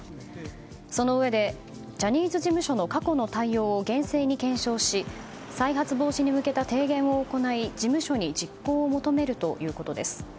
そのうえでジャニーズ事務所の過去の対応を厳正に検証し再発防止に向けた提言を行い事務所に実行を求めるということです。